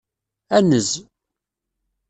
Anez.